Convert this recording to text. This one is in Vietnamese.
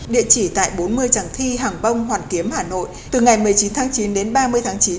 địa chỉ tại bốn mươi tràng thi hàng bông hoàn kiếm hà nội từ ngày một mươi chín tháng chín đến ba mươi tháng chín